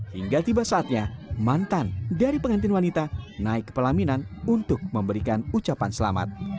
hingga tiba saatnya mantan dari pengantin wanita naik ke pelaminan untuk memberikan ucapan selamat